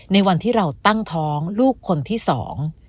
ในวันที่เราตั้งท้องลูกคนที่สอง